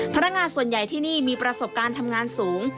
พนักงานส่วนใหญ่ที่นี่มีประสบการณ์ทำงานสูง